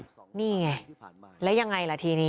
นี่ไงแล้วยังไงล่ะทีนี้